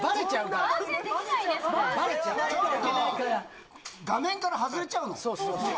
ちょっと、画面から外れちゃうの？